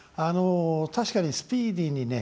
確かにスピーディーにね